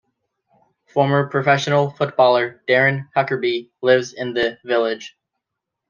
Former professional footballer Darren Huckerby lives in the village.